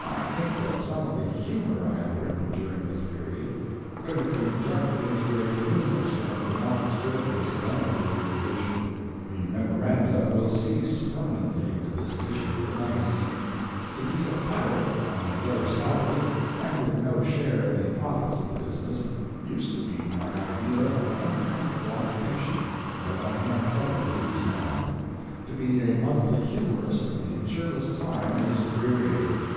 I think that some of the "humor" I have written during this period could have been injected into a funeral sermon without disturbing the solemnity of the occasion.] [The MEMORANDA will cease permanently with this issue of the magazine. To be a pirate, on a low salary, and with no share in the profits of the business, used to be my idea of an uncomfortable occupation, but I have other views now. To be a monthly humorist in a cheerless time is drearier.